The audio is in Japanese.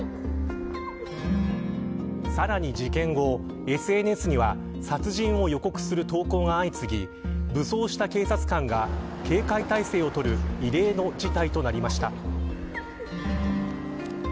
さらに事件後、ＳＮＳには殺人を予告する投稿が相次ぎ武装した警察官が警戒態勢をとる異例の事態となりました。